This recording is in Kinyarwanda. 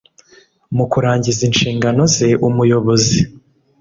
mu kurangiza inshingano ze umuyobozi